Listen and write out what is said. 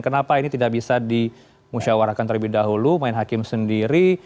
kenapa ini tidak bisa dimusyawarakan terlebih dahulu main hakim sendiri